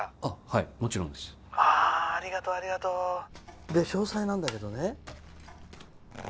はいもちろんです☎ああありがとありがとで詳細なんだけどね